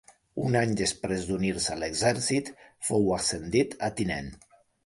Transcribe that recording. Un any després d'unir-se a l'exèrcit fou ascendit a tinent.